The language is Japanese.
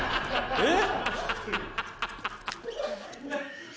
えっ？